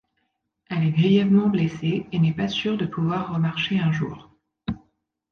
Elle est grièvement blessée et n'est pas sûre de pouvoir remarcher un jour.